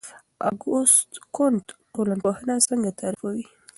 اګوست کُنت ټولنپوهنه څنګه تعریفوي؟